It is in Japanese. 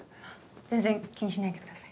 全然気にしないでください。